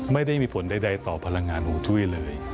ไม่ได้มีผลใดต่อพลังงานของถ้วยเลย